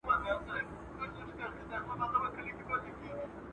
د علومو بېلابېلې برخې ډېرې مسایل لري.